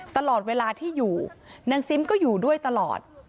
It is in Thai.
ตลอดเวลาที่อยู่นางซิมก็อยู่ด้วยตลอด